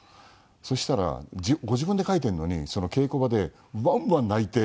そしたらご自分で書いてるのにその稽古場でわんわん泣いて。